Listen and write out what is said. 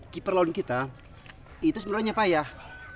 keeper lawan kita itu sebenarnya payah